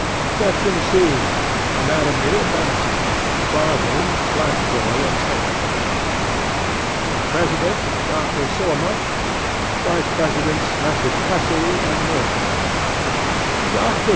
'SECTION C.—ANATOMY AND MEDICINE. BAR ROOM, BLACK BOY AND STOMACH ACHE. President—Dr. Soemup. Vice Presidents—Messrs. Pessell and Mortair. 'DR.